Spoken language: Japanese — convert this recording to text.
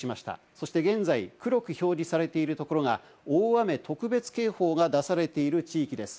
そして現在、黒く表示されているところが大雨特別警報が出されている地域です。